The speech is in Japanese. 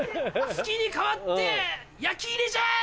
月に代わって焼き入れじゃい！